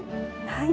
はい。